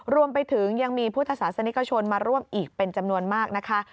รวมไปถึงยังมีพุทธศาสนิกชนมาร่วมอีกเป็นจำนวนมากนะคะ